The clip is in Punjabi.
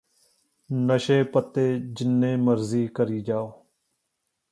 ਨਸ਼ੇ ਪੱਤੇ ਜਿੰਨੇ ਮਰਜ਼ੀ ਕਰੀ ਜਾਓ